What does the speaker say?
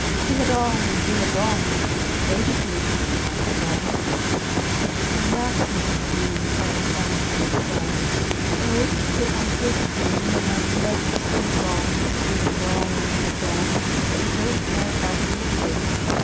Ding a dong, ding a dong! Ain't you pleased with my song?" III. "Alas! Mrs. Broom," sighed the Tongs in his song, "Oh! is it because I'm so thin, And my legs are so long,—ding a dong, ding a dong!— That you don't care about me a pin?